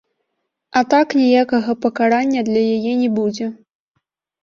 А так ніякага пакарання для яе не будзе.